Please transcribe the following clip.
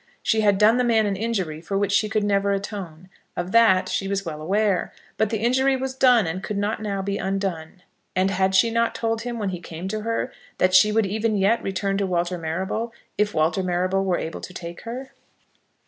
She had done the man an injury for which she could never atone. Of that she was well aware. But the injury was done and could not now be undone. And had she not told him when he came to her, that she would even yet return to Walter Marrable if Walter Marrable were able to take her?